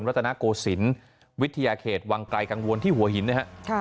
วัตนโกสินวิทยาเขตวังไกลกังวลที่หัวหินนะครับค่ะ